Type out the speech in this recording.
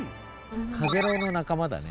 カゲロウの仲間だね。